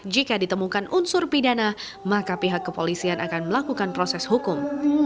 jika ditemukan unsur pidana maka pihak kepolisian akan melakukan proses hukum